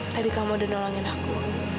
tadi kamu udah nolongin aku